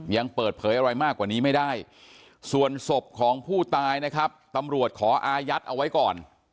ยังเปิดเผยอะไรมากกว่านี้ไม่ได้ส่วนศพของผู้ตายนะครับตำรวจขออายัดเอาไว้ก่อน